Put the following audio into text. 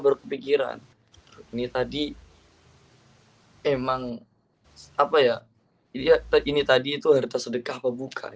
berpikiran ini tadi hai emang apa ya iya begini tadi itu harta sedekah pembukaan